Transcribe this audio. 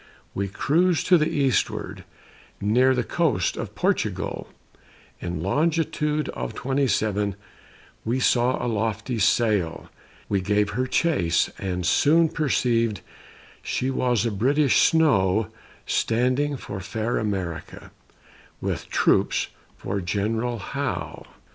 We cruisèd to the eastward, Near the coast of Portugal, In longitude of twenty seven We saw a lofty sail; We gave her chase, and soon perceived She was a British snow Standing for fair America, With troops for General Howe.